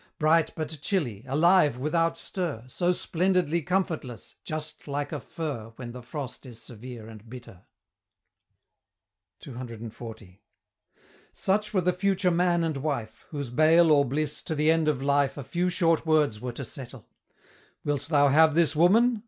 Bright but chilly, alive without stir, So splendidly comfortless, just like a Fir When the frost is severe and bitter. CCXL. Such were the future man and wife! Whose bale or bliss to the end of life A few short words were to settle "Wilt thou have this woman?"